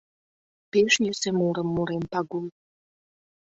Пеш йӧсӧ мурым мурен Пагул.